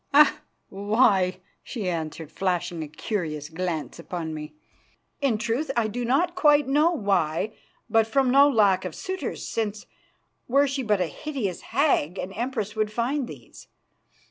"Ah! why?" she answered, flashing a curious glance upon me. "In truth, I do not quite know why; but from no lack of suitors, since, were she but a hideous hag, an empress would find these.